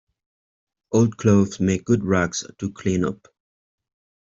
Old clothes make good rags to clean-up.